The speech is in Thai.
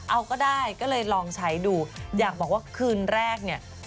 เอาก็ได้ก็เลยลองใช้ดูอยากบอกว่าคืนแรกเนี่ย